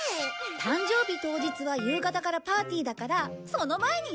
誕生日当日は夕方からパーティーだからその前にやっちゃおう！